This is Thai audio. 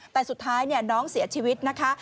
แต่สุดท้ายน้องเสียชีวิตนะคะ